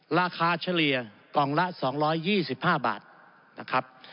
เฉลี่ยกล่องละ๒๒๕บาทนะครับ